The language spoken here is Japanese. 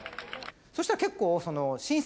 そしたら結構。